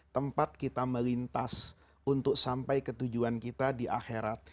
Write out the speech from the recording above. tempat kita melintas untuk sampai ketujuan kita di akhirat